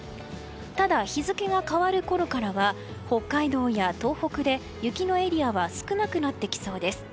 ただ、日付が変わるころからは北海道や東北で、雪のエリアは少なくなってきそうです。